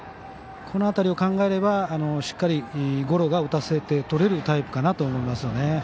この辺りを考えればしっかりゴロを打たせてとれるタイプだと思います。